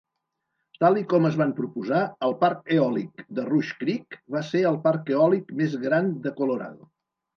Tal i com es van proposar, el parc eòlic de Rush Creek va ser el parc eòlic més gran de Colorado.